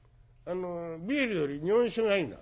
ビールより日本酒がいいな。